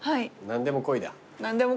何でもこいです。